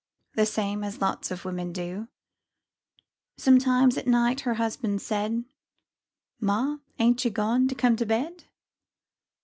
The same as lots of wimmin do; Sometimes at night her husban' said, "Ma, ain't you goin' to come to bed?"